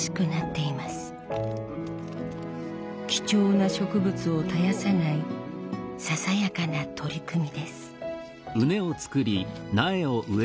貴重な植物を絶やさないささやかな取り組みです。